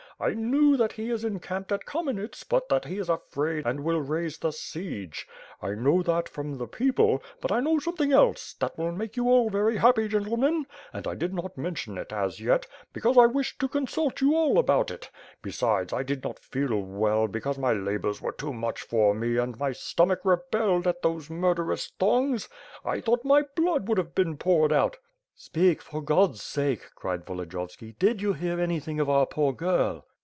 I knew that he is encamped at Kamenets but that he is afraid and will raise the siege. I know that from the people; but I know something else, that will make you all very happy, gentlemen, and I did not mention it, as yet, because I wished to consult you all about it. Besides I did not feel well, because my labors were too much for me and my stomach rebelled at those murderous thongs. I thought my blood would have been poured out.' "Speak, for God's sake," cried Volodiyovski, "Did you hear anything of our poor girl."